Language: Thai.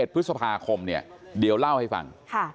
๑พฤษภาคมเนี่ยเดี๋ยวเล่าให้ฟัง